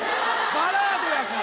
バラードやから。